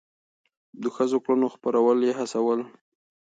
د ښو کړنو خپرول يې هڅول.